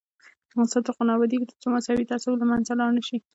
افغانستان تر هغو نه ابادیږي، ترڅو مذهبي تعصب له منځه لاړ نشي.